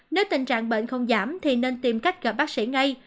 nếu tình trạng bệnh không giảm thì nên tìm cách gặp bác sĩ ngay